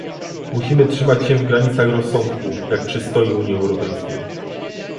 Musimy trzymać się w granicach rozsądku, jak przystoi Unii Europejskiej